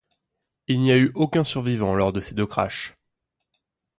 Il n'y a eu aucun survivant lors de ces deux crashs.